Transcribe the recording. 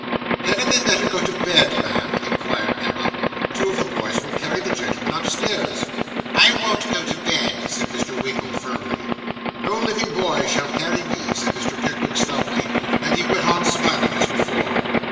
'Hadn't they better go to bed, ma'am?' inquired Emma. 'Two of the boys will carry the gentlemen upstairs.' 'I won't go to bed,' said Mr. Winkle firmly. 'No living boy shall carry me,' said Mr. Pickwick stoutly; and he went on smiling as before.